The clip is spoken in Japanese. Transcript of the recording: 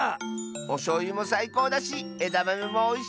おしょうゆもさいこうだしえだまめもおいしいし